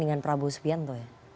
dan prabowo sepian itu ya